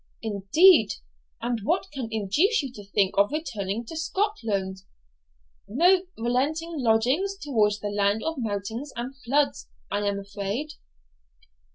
'Indeed! and what can induce you to think of returning to Scotland? No relenting longings towards the land of mountains and floods, I am afraid.'